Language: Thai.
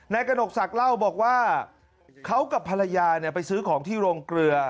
กระหนกศักดิ์เล่าบอกว่าเขากับภรรยาไปซื้อของที่โรงเกลือ